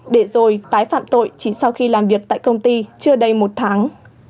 để rồi tái phạm tội chỉ sau khi làm việc tại công ty chưa đầy một tháng